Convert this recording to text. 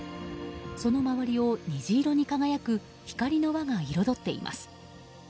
その周りを虹色に輝く光の輪が彩っています。